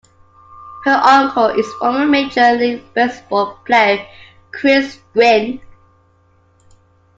Her uncle is former Major League Baseball player Chris Gwynn.